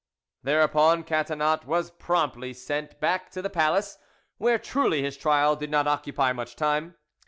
Thereupon Catinat was promptly sent back to the palace, where truly his trial did not occupy much time.